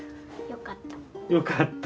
よかった。